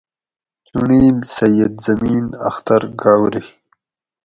چُنڑیل: سید زمین اختر گاؤری